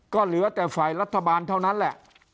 ก็เหลือแต่ฝ่ายรัฐบาลเท่านั้นแหละ